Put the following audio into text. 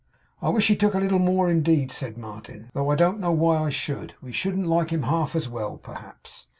'I wish he took a little more, indeed,' said Martin. 'Though I don't know why I should. We shouldn't like him half as well, perhaps.